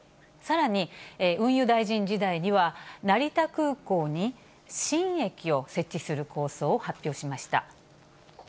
さらに運輸大臣時代には、成田空港に新駅を設置する構想を発表しました。